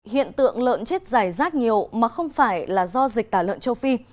hiện tượng lợn chết dài rác nhiều mà không phải là do dịch tả lợn châu phi